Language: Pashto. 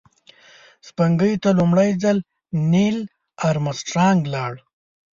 سپوږمۍ ته لومړی ځل نیل آرمسټرانګ لاړ